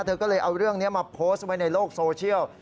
เธอก็เลยเอาเรื่องนี้มาโพสต์ไว้ในโลกโซเชียล